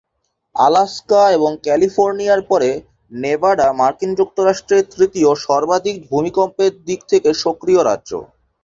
Alaska এবং ক্যালিফোর্নিয়ার পরে নেভাডা মার্কিন যুক্তরাষ্ট্রে তৃতীয় সর্বাধিক ভূমিকম্পের দিক থেকে সক্রিয় রাজ্য।